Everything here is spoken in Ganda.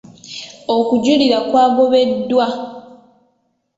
Okujulira kwagobeddwa.